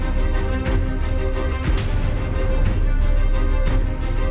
เหลือครึ่งตัว